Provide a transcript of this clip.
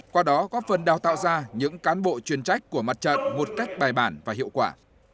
qua đó góp phần đào tạo ra những cán bộ chuyên trách của mặt trận một cách bài bản và hiệu quả